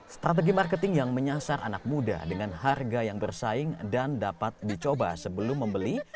strategi marketing yang menyasar anak muda dengan harga yang bersaing dan dapat dicoba sebelum membeli